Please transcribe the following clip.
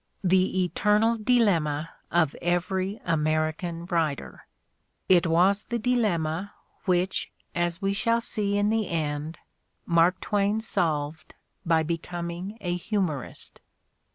The eternal dilemma of every American writer ! It was the dilemma which, as we shall see in the end, Mark Twain solved by becoming a humorist.